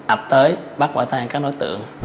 ấp tới bắt quả tang các đối tượng